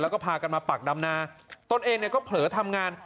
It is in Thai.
แล้วก็พากันมาปักดำนาตนเองเนี่ยก็เผลอทำงาน